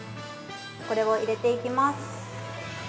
これを入れていきます。